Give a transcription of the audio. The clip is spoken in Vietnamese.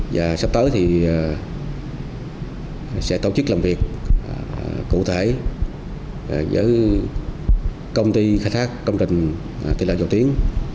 và sắp tới thì sẽ tổ chức làm việc cụ thể giữa công ty khai thác công trình tỷ lệ dầu tiến